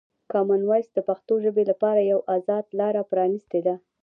کامن وایس د پښتو ژبې لپاره یوه ازاده لاره پرانیستې ده.